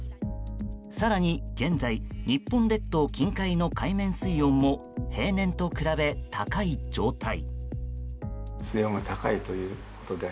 更に、現在日本列島近海の海面水温も平年と比べ高い状態。